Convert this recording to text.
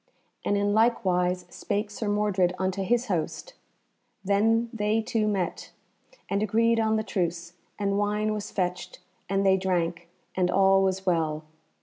And in like wise spake Sir Mordred unto his host. Then they two met, and agreed on the truce, and wine was fetched and they drank, and all was well.